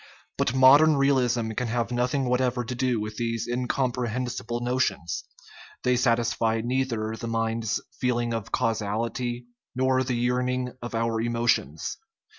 But modern realism can have nothing whatever to do with these incompre hensible notions ; they satisfy neither the mind's feel ing of causality nor the yearning of our emotions.